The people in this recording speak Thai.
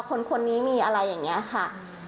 หรือคนยนยมีของลูกกันยังไงค่ะ